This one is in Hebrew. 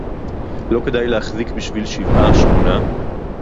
לא כדאי להחזיק בשביל שבעה-שמונה